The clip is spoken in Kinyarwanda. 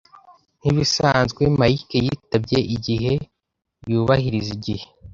Nkibisanzwe, Mike yitabye igihe. Yubahiriza igihe.